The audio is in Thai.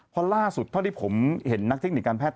เพราะล่าสุดเท่าที่ผมเห็นนักเทคนิคการแพท